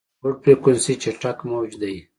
لوړ فریکونسي چټک موج دی.